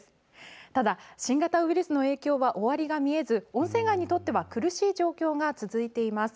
ただ、新型ウイルスの影響は終わりが見えずに温泉街にとっては苦しい状況が続いています。